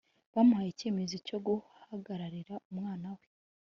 bamuhaye icyemezo cyo guhagararira umwana we